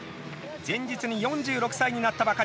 前日に４６歳になったばかり。